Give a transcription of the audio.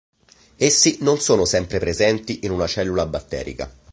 Essi non sono sempre presenti in una cellula batterica.